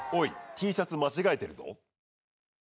Ｔシャツ間違えてるぞ。